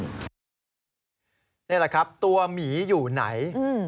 นี่แหละครับตัวหมีอยู่ไหน